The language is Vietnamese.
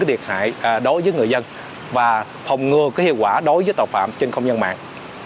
cái thiệt hại đối với người dân và phòng ngừa cái hiệu quả đối với tội phạm trên không nhân mạng